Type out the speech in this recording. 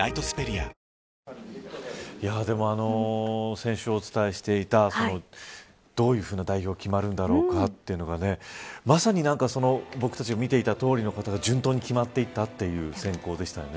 先週お伝えしていたどういうふうに代表決まるのかというのがまさに僕たちが見ていたとおりの順当に決まっていったという選考でしたね。